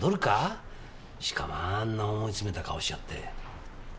しかもあんな思いつめた顔しちゃって。